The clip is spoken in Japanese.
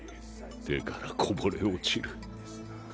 手からこぼれ落ちる。